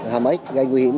hàm ếch gây nguy hiểm